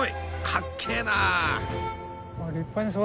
かっけえな。